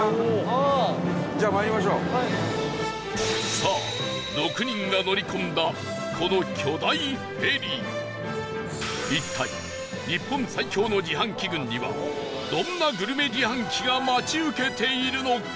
さあ、６人が乗り込んだこの巨大フェリー一体、日本最強の自販機群にはどんなグルメ自販機が待ち受けているのか？